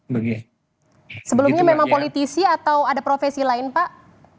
sebelumnya memang politisi atau ada profesi lain pak